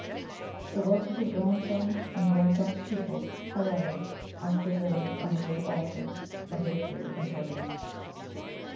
The works of his grandson and grandson's pupils, however, are preserved on the great altar of victory in Pergamus.